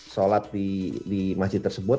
salat di masjid tersebut